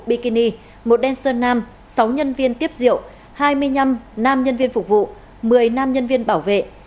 bikini một đen sơn nam sáu nhân viên tiếp rượu hai mươi năm nam nhân viên phục vụ một mươi nam nhân viên bảo vệ